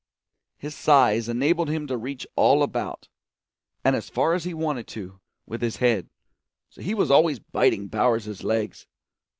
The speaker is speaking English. His size enabled him to reach all about, and as far as he wanted to, with his head; so he was always biting Bowers's legs.